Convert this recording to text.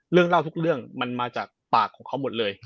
เรื่องเล่าทุกเรื่องมันมาจากปากของเขาหมดเลย